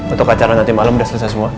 untuk acara nanti malam sudah selesai semua